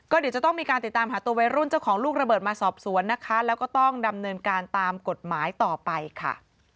เดี๋ยวจะต้องมีการติดตามหาตัววัยรุ่นเจ้าของลูกระเบิดมาสอบสวนนะคะแล้วก็ต้องดำเนินการตามกฎหมายต่อไปค่ะ